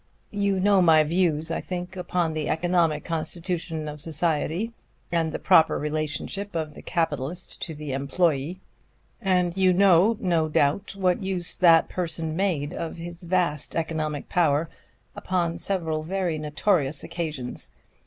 "You know my views, I think, upon the economic constitution of society, and the proper relationship of the capitalist to the employee, and you know, no doubt, what use that person made of his vast economic power upon several very notorious occasions.